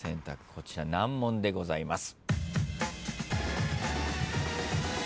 こちら難問でございます。